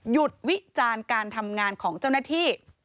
วิจารณ์การทำงานของเจ้าหน้าที่